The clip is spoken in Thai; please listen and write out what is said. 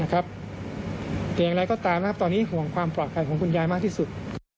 แต่อย่างไรก็ตามตอนนี้ห่วงความปลอดภัยของคุณยายมากที่สุด